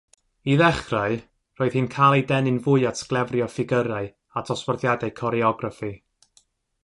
I ddechrau, roedd hi'n cael ei denu'n fwy at sglefrio ffigyrau a dosbarthiadau coreograffi.